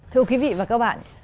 thưa quý vị và các bạn